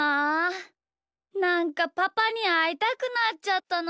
なんかパパにあいたくなっちゃったな。